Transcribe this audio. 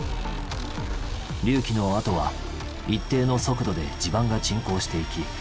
隆起のあとは一定の速度で地盤が沈降していき